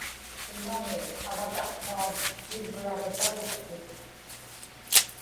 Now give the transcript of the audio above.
imaŋi avataqpaum tivraġipaluktut